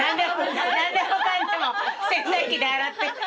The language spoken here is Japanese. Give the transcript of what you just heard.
何でもかんでも洗濯機で洗って。